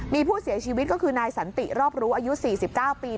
มีผู้เสียชีวิตก็คือนายสันติรอบรู้อายุ๔๙ปี